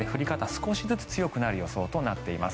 少しずつ強くなる予想となっています。